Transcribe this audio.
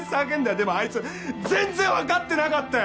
でもあいつ全然わかってなかったよ！